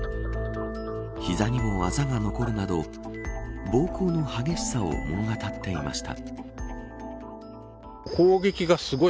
膝にもあざが残るなど暴行の激しさを物語っていました。